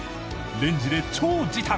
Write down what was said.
レンジで超時短！